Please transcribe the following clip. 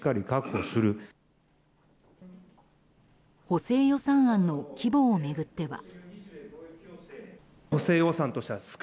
補正予算案の規模を巡っては。